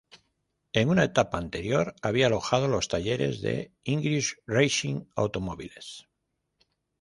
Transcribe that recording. En una etapa anterior había alojado los talleres de English Racing Automobiles.